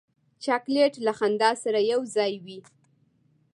چاکلېټ له خندا سره یو ځای وي.